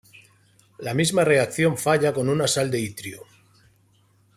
La misma reacción falla con una sal de itrio.